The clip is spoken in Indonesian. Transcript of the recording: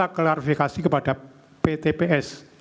saya minta klarifikasi kepada ptps